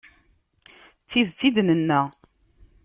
D tidet i d-nenna;